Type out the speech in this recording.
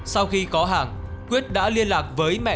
sau khi có hàng quyết đã liên lạc với mẹ